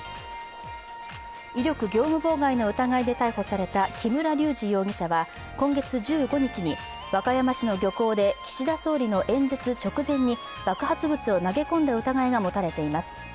威力業務妨害の疑いで逮捕された木村隆二容疑者は今月１５日に和歌山市の漁港で岸田総理の演説直前に爆発物を投げ込んだ疑いが持たれています。